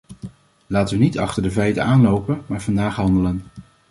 Laten we niet achter de feiten aanlopen, maar vandaag handelen.